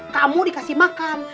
kamu dikasih makan